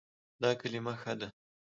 دا کلمه ښه ده